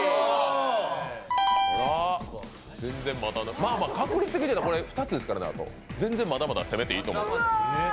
まあまあ確率的にはあと２つですからね、全然まだまだ攻めていいと思う。